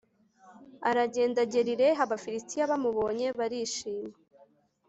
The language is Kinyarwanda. aragenda agera i Lehi Abafilisitiya bamubonye barishima